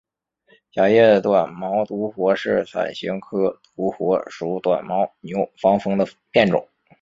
狭叶短毛独活是伞形科独活属短毛牛防风的变种。